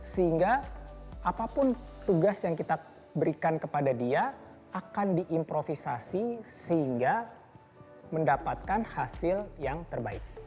sehingga apapun tugas yang kita berikan kepada dia akan diimprovisasi sehingga mendapatkan hasil yang terbaik